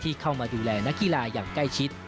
เข้ามาดูแลนักกีฬาอย่างใกล้ชิด